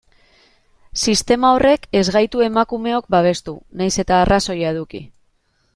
Sistema horrek ez gaitu emakumeok babestu, nahiz eta arrazoia eduki.